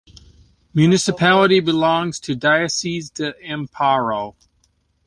Municipality belongs to Diócesis de Amparo.